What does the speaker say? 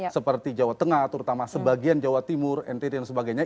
seperti jawa tengah terutama sebagian jawa timur ntt dan sebagainya